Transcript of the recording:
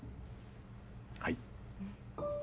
はい。